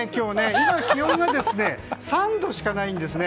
今気温が３度しかないんです。